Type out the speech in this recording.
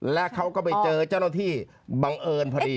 และเขาก็ไปเจอเจ้าหน้าที่บังเอิญพอดี